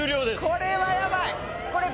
これはやばい！